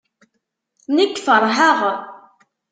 Nekk feṛheɣ.